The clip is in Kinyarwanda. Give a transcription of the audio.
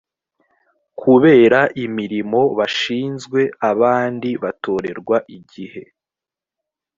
kubera imirimo bashinzwe abandi batorerwa igihe